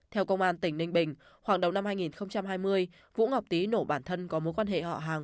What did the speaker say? theo công an tỉnh ninh bình khoảng đầu năm hai nghìn hai mươi vũ ngọc tý nổ bản thân có mối quan hệ họ hàng